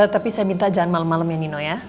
tapi saya minta jangan malem malem ya nino ya